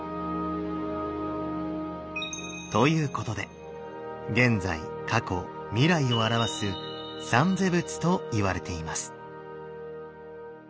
ということで現在過去未来を表す三世仏といわれています。